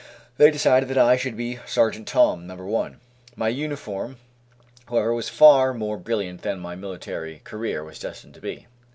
They decided that I should be sergeant Tom, No. 1. My uniform, however, was far more brilliant than my military career was destined to be.